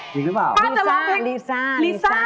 จริงหรือเปล่า